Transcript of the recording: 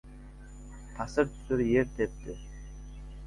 Tasir-tusur yer tepdi.